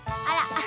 あら。